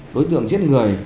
đối tượng giết người